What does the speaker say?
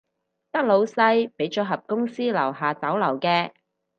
得老細畀咗盒公司樓下酒樓嘅